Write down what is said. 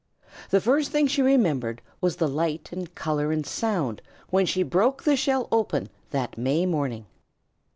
The first thing she remembered was the light and color and sound when she broke the shell open that May morning.